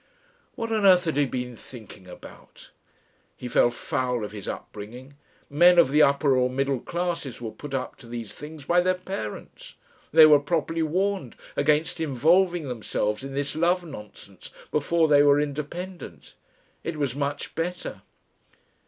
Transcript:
What on earth had he been thinking about? He fell foul of his upbringing. Men of the upper or middle classes were put up to these things by their parents; they were properly warned against involving themselves in this love nonsense before they were independent. It was much better....